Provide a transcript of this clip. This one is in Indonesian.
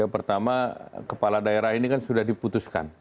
pertama kepala daerah ini kan sudah diputuskan